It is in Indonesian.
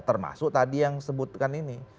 termasuk tadi yang disebutkan ini